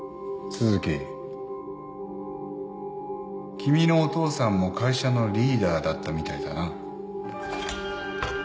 君のお父さんも会社のリーダーだったみたいだな。